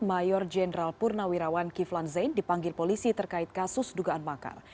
mayor jenderal purnawirawan kiflan zain dipanggil polisi terkait kasus dugaan makar